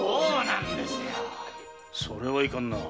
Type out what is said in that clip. それはいかんなぁ。